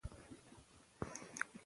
مرۍ ونیسو د خپلو قاتلانو